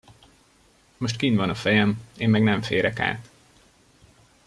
Most kinn van a fejem, én meg nem férek át.